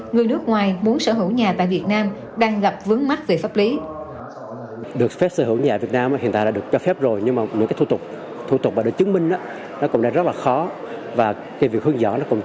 người nước ngoài muốn sở hữu nhà tại việt nam đang gặp vướng mắt về pháp lý